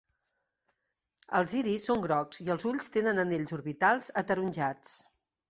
Els iris són grocs i els ulls tenen anells orbitals ataronjats.